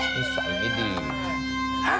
นี่สวัสดีดีมากนะ